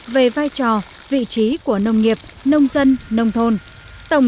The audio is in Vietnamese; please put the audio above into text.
về vai trò vị trí của nông nghiệp nông dân nông thôn